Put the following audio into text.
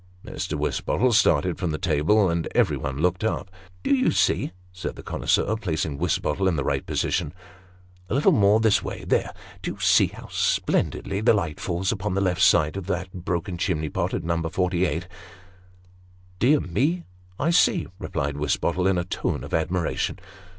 Mr. Wisbottle started from the table, and every one looked up. " Do you see," said the connoisseur, placing Wisbottle in the right position " a little more this way : there do you see how splendidly the light falls upon the left side of that broken chimney pot at No. 48 ?"" Dear me ! I see," replied Wisbottle, in a tone of admiration.